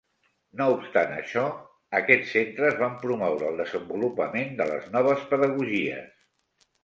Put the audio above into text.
No obstant això, aquests centres van promoure el desenvolupament de les noves pedagogies.